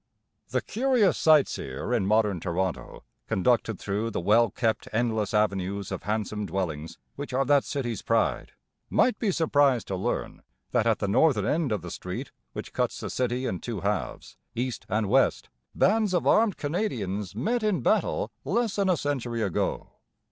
The curious sightseer in modern Toronto, conducted through the well kept, endless avenues of handsome dwellings which are that city's pride, might be surprised to learn that at the northern end of the street which cuts the city in two halves, east and west, bands of armed Canadians met in battle less than a century ago.